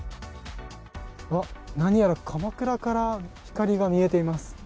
何やらかまくらから光が見えています。